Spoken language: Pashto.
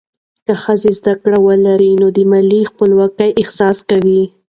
که ښځه زده کړه ولري، نو د مالي خپلواکۍ احساس کوي.